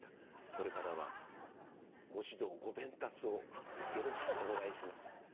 これからはご指導ご鞭撻をよろしくお願いします。